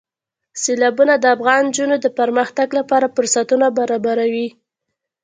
سیلابونه د افغان نجونو د پرمختګ لپاره فرصتونه برابروي.